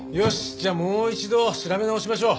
じゃあもう一度調べ直しましょう。